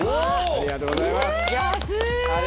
ありがとうございます。